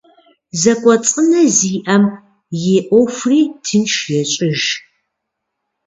Зэкӏуэцӏына зиӏэм и ӏуэхури тынш ещӏыж.